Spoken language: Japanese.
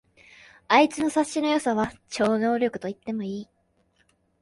あいつの察しの良さは超能力と言っていい